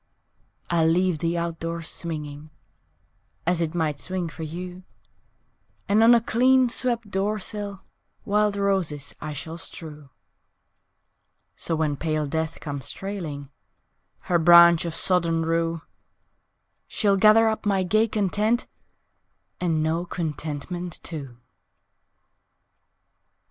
I'll leave the out door swinging, (As it might swing for you) And on the clean swept door sill Wild roses I shall strew So when pale Death comes trailing Her branch of sodden rue She'll gather up my gay content And know contentment too!